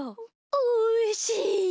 おいしい。